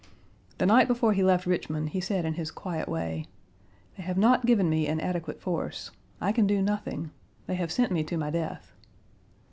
The night before he left Richmond he said in his quiet way: "They have not given me an adequate force. I can do nothing. They have sent me to my death."